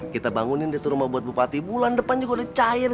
kita bangunin itu rumah buat bupati bulan depan juga udah cair